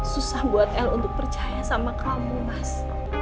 susah buat el untuk percaya sama kamu mas